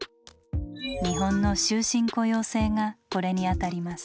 日本の終身雇用制がこれにあたります。